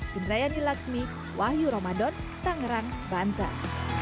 jendrayani laksmi wahyu ramadan tangerang banten